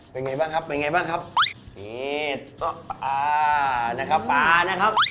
เป็นไงบ้างครับเป็นไงบ้างครับนี่โต๊ะปลานะครับปลานะครับ